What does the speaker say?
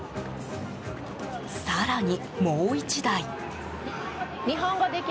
更に、もう１台。